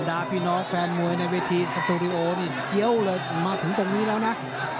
ดาพี่น้องแฟนมวยในเวทีสตูดิโอนี่เจี้ยวเลยมาถึงตรงนี้แล้วนะ